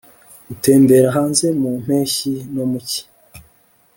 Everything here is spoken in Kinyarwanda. gutembera hanze mu mpeshyi no mu cyi